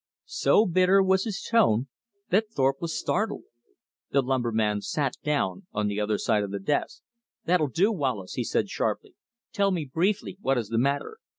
So bitter was his tone that Thorpe was startled. The lumberman sat down on the other side of the desk. "That'll do, Wallace," he said sharply. "Tell me briefly what is the matter."